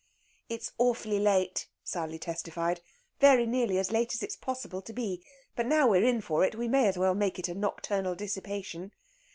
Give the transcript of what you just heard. "It's awfully late!" Sally testified. "Very nearly as late as it's possible to be. But now we're in for it, we may as well make it a nocturnal dissipation.